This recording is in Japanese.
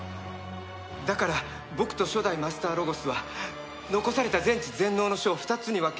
だから僕と初代マスターロゴスは残された全知全能の書を２つに分け